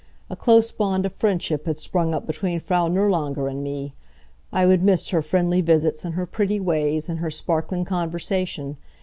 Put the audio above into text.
A close bond of friendship had sprung up between Frau Nirlanger and me. I would miss her friendly visits, and her pretty ways, and her sparkling conversation.